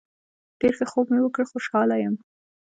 ډیر ښه خوب مې وکړ خوشحاله یم